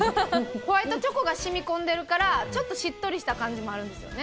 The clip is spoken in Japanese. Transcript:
ホワイトチョコが染み込んでるからちょっとしっとりした感じもありますよね。